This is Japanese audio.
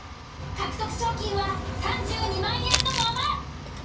獲得賞金は３２万円のまま。